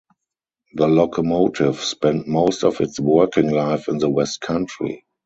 The locomotive spent most of its working life in the West Country.